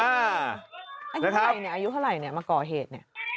อายุใดเนี้ยอายุเหรอเงี้ยมาก่อเหตุเนี้ย